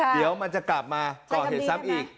เดี๋ยวมันจะกลับมาก่อเหตุซ้ำอีก